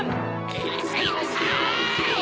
うるさいうるさい！